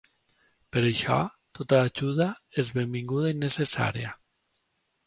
Per això tota ajuda és benvinguda i necessària.